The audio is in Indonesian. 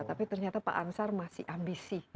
tapi ternyata pak ansar masih ambisi